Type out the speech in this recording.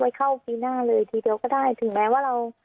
เข้าปีหน้าเลยทีเดียวก็ได้ถึงแม้ว่าเรา